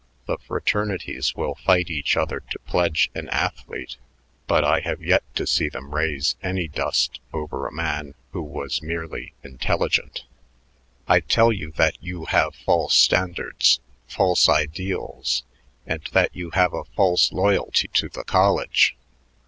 The fraternities will fight each other to pledge an athlete, but I have yet to see them raise any dust over a man who was merely intelligent. "I tell you that you have false standards, false ideals, and that you have a false loyalty to the college.